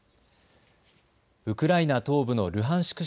ウクライナ東部のルハンシク